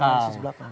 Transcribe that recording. analisis di belakang